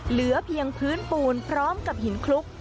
เหลือเพียงพื้นปูนพร้อมกับหินคลุก